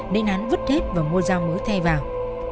nên hắn vứt hết và mua dao ngứa thay vào